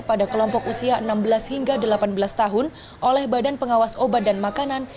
pada kelompok usia enam belas hingga delapan belas tahun oleh badan pengawas obat dan makanan